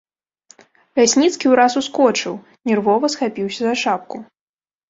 Лясніцкі ўраз ускочыў, нервова схапіўся за шапку.